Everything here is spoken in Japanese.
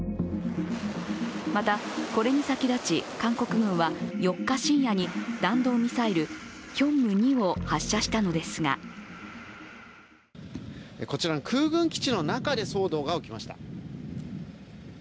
また、これに先立ち韓国軍は４日深夜に弾道ミサイル玄武２を発射したのですがこちらの空軍基地の中で騒動が起きました。